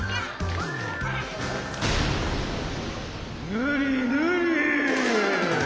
ぬりぬり。